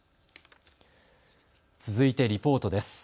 続いてリポートです。